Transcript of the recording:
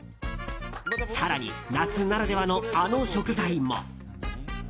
更に夏ならではの、あの食材も。